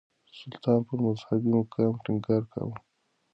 سلطان پر مذهبي مقام ټينګار کاوه.